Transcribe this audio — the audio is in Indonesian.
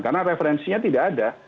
karena referensinya tidak ada